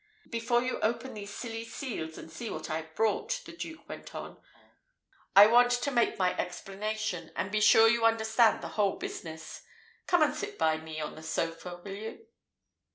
"Before you open these silly seals, and see what I've brought," the Duke went on, "I want to make my explanation, and be sure you understand the whole business. Come and sit by me on the sofa, will you?"